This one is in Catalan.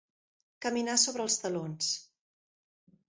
Caminar sobre els talons.